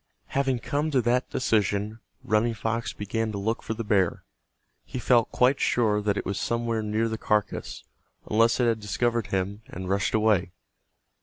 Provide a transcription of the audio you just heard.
Having come to that decision Running Fox began to look for the bear. He felt quite sure that it was somewhere near the carcass, unless it had discovered him and rushed away.